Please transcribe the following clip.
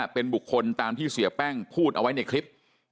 เป็นบุคคลตามที่เสียแป้งพูดเอาไว้ในคลิป